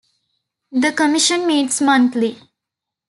The commission meets monthly.